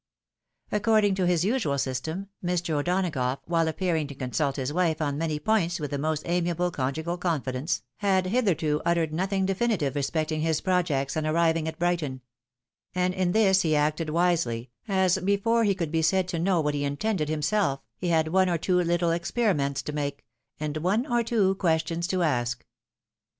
According to his usual system, Mr. O'Donagough, while appearing to consult his wife on many points with the most amiable conjugal confidence, had hitherto uttered nothing defi nitive respecting his projects on arriving at Brighton ; and ia this he acted wisely, as before he could be said to know what he intended himself, he had one or two httle experiments to make, and one or two questions to ask.